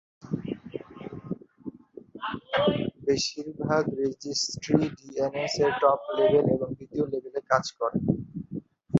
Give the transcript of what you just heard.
বেশিরভাগ রেজিস্ট্রি ডিএনএস-এর টপ-লেভেল এবং দ্বিতীয়-লেভেলে কাজ করে।